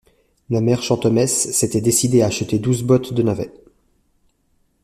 La mère Chantemesse s’était décidée à acheter douze bottes de navets.